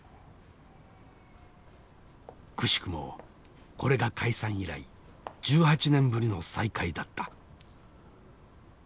くしくもこれが解散以来１８年ぶりの再会だった。